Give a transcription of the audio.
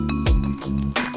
a yang kutip